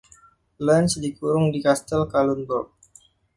Lange dikurung di kastel Kalundborg.